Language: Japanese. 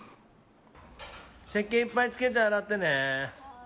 せっけんいっぱいつけて洗ってね。